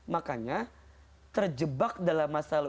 makanya terjebak dalam masa lalu